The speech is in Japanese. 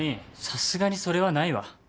さすがにそれはないわ。